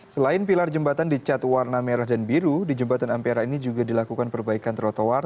selain pilar jembatan dicat warna merah dan biru di jembatan ampera ini juga dilakukan perbaikan trotoar